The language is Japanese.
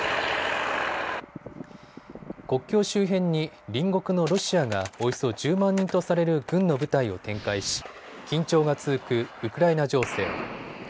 国境周辺に隣国のロシアがおよそ１０万人とされる軍の部隊を展開し、緊張が続くウクライナ情勢。